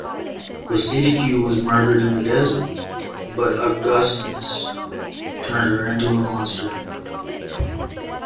Lucidique was murdered in the desert, but Agonistes turned her into a monster.